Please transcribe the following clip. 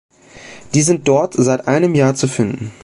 Die sind dort seit einem Jahr zu finden.